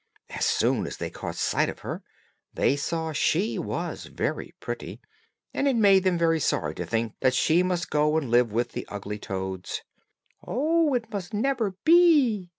As soon as they caught sight of her, they saw she was very pretty, and it made them very sorry to think that she must go and live with the ugly toads. "No, it must never be!"